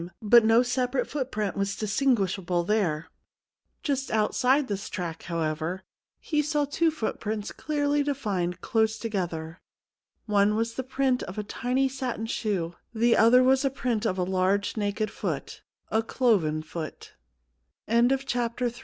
But no separate footprint was distinguishable there. Just outside this track, however, he saw two footprints clearly defined close together : one was the print of a tiny satin shoe ; the other was the print of a large